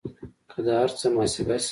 که دا هر څه محاسبه شي